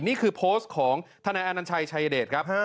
นี่คือโพสต์ของทนายอนัญชัยชายเดชครับ